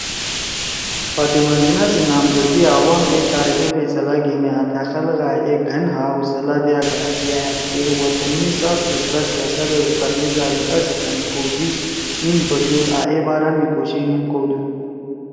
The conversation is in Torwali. فاطمہ جناح سی نامزدگی عوام اے تاریخی فیصلہ گھینی آں تھأ خلَگا ئے اے گھن حوصلہ دیاگا یأ سے وطن می صاف ستھرا سیاست او اخلاقی ضابطہ سی قائم کؤ سی نیِند پشُودُود آں اے بارا می کوشِش ہُم کؤدُود